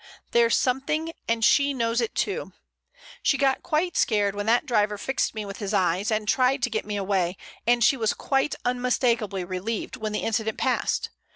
There's something, and she knows it too. She got quite scared when that driver fixed me with his eyes, and tried to get me away, and she was quite unmistakably relieved when the incident passed.